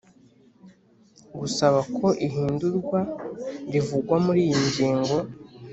Gusaba ko ihindurwa rivugwa muri iyi ngingo